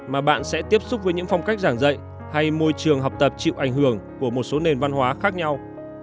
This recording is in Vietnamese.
mà bạn sẽ tiếp xúc với những phong cách giảng dạy hay môi trường học tập chịu ảnh hưởng của một số nền văn hóa khác nhau